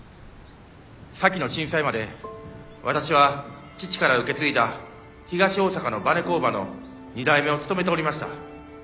先の震災まで私は父から受け継いだ東大阪のバネ工場の２代目を務めておりました。